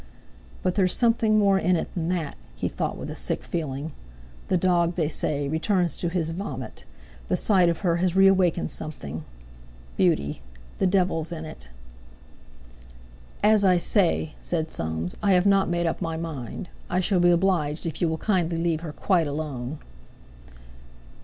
"But there's something more in it than that!" he thought with a sick feeling. "The dog, they say, returns to his vomit! The sight of her has reawakened something. Beauty! The devil's in it!" "As I say," said Soames, "I have not made up my mind. I shall be obliged if you will kindly leave her quite alone."